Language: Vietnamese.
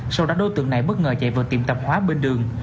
sau đó đối tượng này bất ngờ chạy vào tiệm tạp hóa bên đường